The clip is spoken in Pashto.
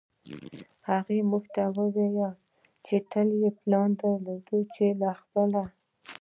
هغې موږ ته وویل تل یې پلان درلود چې له خپل